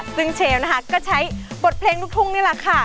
ซึ่งเชลนะคะก็ใช้บทเพลงลูกทุ่งนี่แหละค่ะ